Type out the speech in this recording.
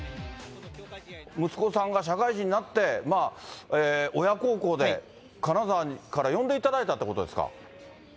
息子さんが社会人になって、親孝行で金沢から呼んでいただいたってことですか？